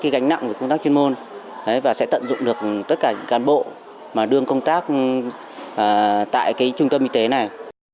cái gạch nặng của công tác chuyên môn và sẽ tận dụng được tất cả các cán bộ mà đương công tác tại cái trung tâm y tế này